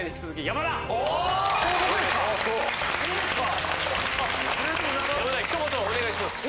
山田ひと言お願いします。